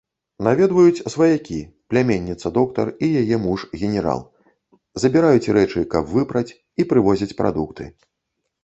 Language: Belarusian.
Наведваюць сваякі, пляменніца-доктар і яе муж, генерал, забіраюць рэчы, каб выпраць, і прывозяць прадукты.